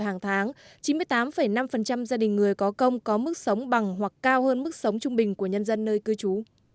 hàng tháng chín mươi tám năm gia đình người có công có mức sống bằng hoặc cao hơn mức sống trung bình của nhân dân nơi cư trú